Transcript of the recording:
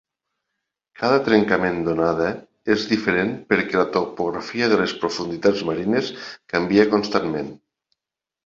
Cada trencament d'onada és diferent perquè la topografia de les profunditats marines canvia constantment.